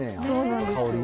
そうなんです。